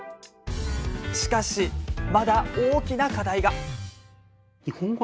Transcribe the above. しかし、まだ大きな課題が。